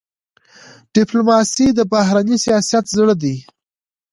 ډيپلوماسي د بهرني سیاست زړه دی.